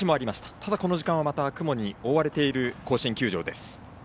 ただこの時間はまた雲に覆われている甲子園球場です。